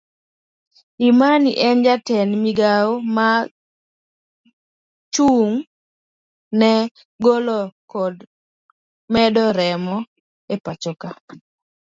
Imani en jatend migawo ma ochung ne golo kod medo remo epachoka.